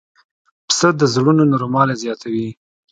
پسه د زړونو نرموالی زیاتوي.